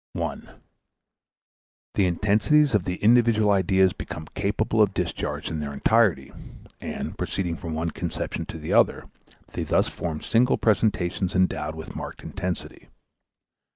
1. The intensities of the individual ideas become capable of discharge in their entirety, and, proceeding from one conception to the other, they thus form single presentations endowed with marked intensity.